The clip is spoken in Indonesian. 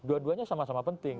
dua duanya sama sama penting